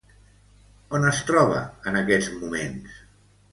On es troba en aquests moments?